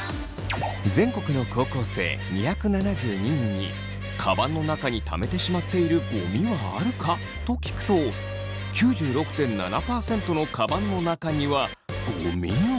全国の高校生２７２人に「カバンの中にためてしまっている『ゴミ』はあるか？」と聞くと９６．７％のカバンの中にはゴミが。